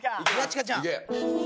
いけ！